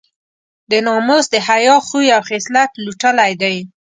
د ناموس د حیا خوی او خصلت لوټلی دی.